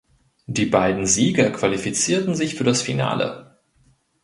Die beiden Sieger qualifizierten sich für das Finale.